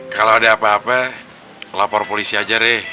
kalau ada apa apa lapor polisi aja deh